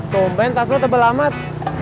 sombeng tas lo tebel amat